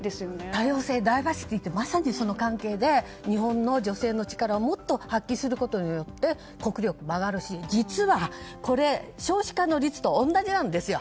多様性、ダイバーシティーってまさにその関係で日本の女性の力をもっと発揮することによって国力も上がるし実はこれ少子化の率と同じなんですよ。